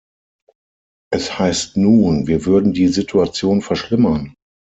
Es heißt nun, wir würden die Situation verschlimmern.